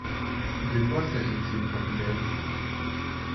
De quoi s’agit-il, capitaine?